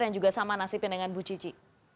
yang juga sama nasibnya dengan bu cici